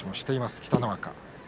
北の若。